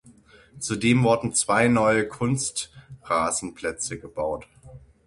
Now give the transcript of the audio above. Zudem wurden zwei neue Kunstrasenplätze gebaut.